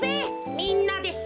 みんなでさ！